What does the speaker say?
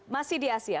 masih di asia